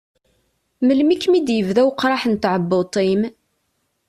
Melmi i kem-id-yebda uqraḥ n tɛebbuḍt-im?